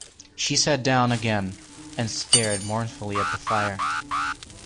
She sat down again, and stared mournfully at the fire.